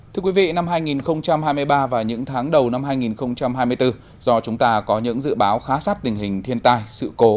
thưa quý vị năm hai nghìn hai mươi ba và những tháng đầu năm hai nghìn hai mươi bốn do chúng ta có những dự báo khá sắp tình hình thiên tai sự cố